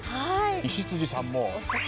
西辻さんも。